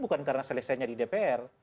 bukan karena selesainya di dpr